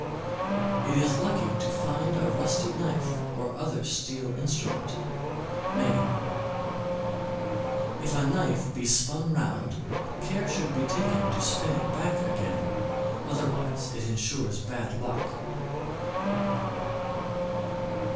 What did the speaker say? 693. It is lucky to find a rusty knife or other steel instrument. Maine. 694. If a knife be spun round, care should be taken to spin it back again, otherwise it insures bad luck.